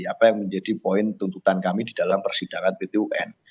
apa yang menjadi poin tuntutan kami di dalam persidangan pt un